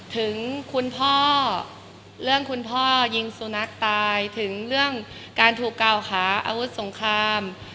ถึงคุณพ่อเรื่องคุณพ่อยิงสุนัขตายถึงเรื่องการถูกกล่าวหาอาวุธสงคราม